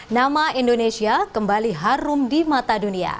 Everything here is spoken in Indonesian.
nama indonesia kembali harum di mata dunia